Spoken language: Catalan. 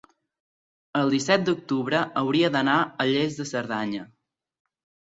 el disset d'octubre hauria d'anar a Lles de Cerdanya.